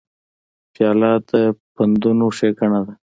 پیاله د پندونو ښیګڼه ده.